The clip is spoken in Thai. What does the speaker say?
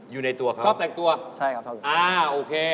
อยู่ในตัวเขาชอบแต่งตัวใช่ครับชอบอ่าโอเค